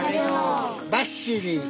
ばっしり。